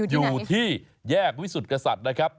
อยู่ที่แยกวิสุทธิ์กษัตริย์นะครับ